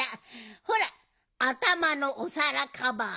ほらあたまのおさらカバー。